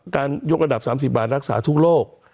การยกระดับสามสี่บ่านรักษาทุกโลค